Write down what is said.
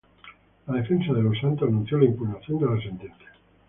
La defensa de Losantos anunció la impugnación de la sentencia.